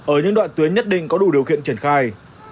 ở những đoạn tuyến nhất định có đủ điều kiện triển khai